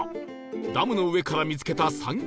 ダムの上から見つけた三角屋根